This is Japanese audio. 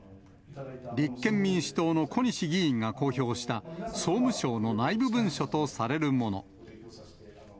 立憲民主党の小西議員が公表した、総務省の内部文書とされるもの。